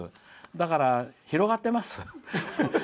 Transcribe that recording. だから、広がってます。